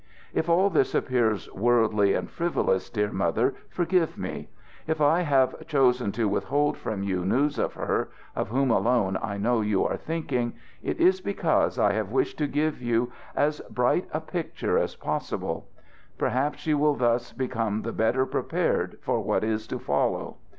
"If all this appears worldly and frivolous, dear Mother, forgive me! If I have chosen to withhold from you news of her, of whom alone I know you are thinking, it is because I have wished to give you as bright a picture as possible. Perhaps you will thus become the better prepared for what is to follow.